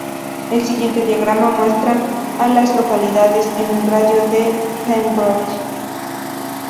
El siguiente diagrama muestra a las localidades en un radio de de Pembroke.